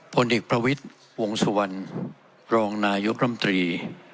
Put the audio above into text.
ผลเอกประวิทย์วงสุวรรณรองนายกรรมตรี